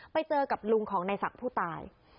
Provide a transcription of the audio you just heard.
ไปเจอกับลุงของในศักดิ์ผู้ตาย